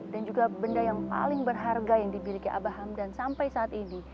dan juga benda yang paling berharga yang dibiliki abah hamdan sampai saat ini